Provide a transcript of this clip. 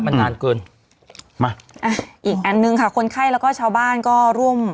มันนานเกินมาอ่ะอีกอันหนึ่งค่ะคนไข้แล้วก็ชาวบ้านก็ร่วม